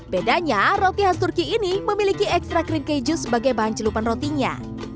bedanya roti khas turki ini memiliki ekstra krim keju sebagai bahan celupan rotinya